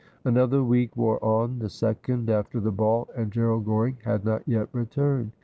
Another week wore on, the second after the ball, and Gerald Goring had not yet returned.